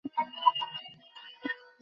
ময়ূরগুলো আমার ক্ষেতে মারা গিয়েছিল।